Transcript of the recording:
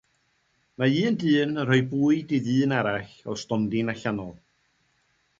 Mae un dyn yn rhoi bwyd i ddyn arall o stondin allanol.